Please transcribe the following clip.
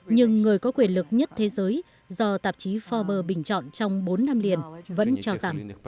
nhưng người có quyền lực nhất thế giới do tạp chí forbes bình chọn trong bốn năm liền vẫn cho rằng